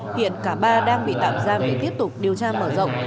hiện cả ba đang bị tạm giam để tiếp tục điều tra mở rộng